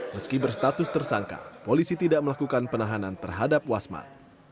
meski berstatus tersangka polisi tidak melakukan penahanan terhadap wasmat